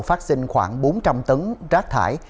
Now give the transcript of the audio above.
phát sinh khoảng bốn trăm linh tấn rác thải